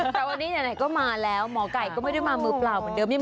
แต่วันนี้ไหนก็มาแล้วหมอไก่ก็ไม่ได้มามือเปล่าเหมือนเดิม